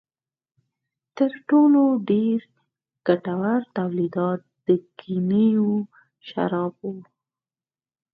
تر ټولو ډېر ګټور تولیدات د ګنیو شراب و.